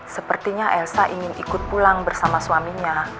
sepertinya elsa ingin ikut pulang bersama suaminya